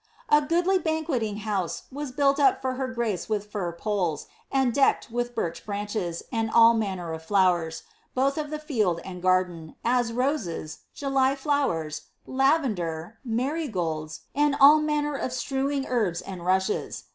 A goodly banqueting house was built up for her grace with fir poles, and decked with birch branches and all manner of flowers, both of the field and garden, as roses, July flowers, lavender, marygolds, and all manner of strewing herbs and rushes.